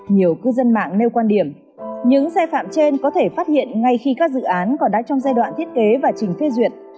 nhiều cư dân mạng nêu quan điểm những xe phạm trên có thể phát hiện ngay khi các dự án còn đã trong giai đoạn thiết kế và trình phê duyệt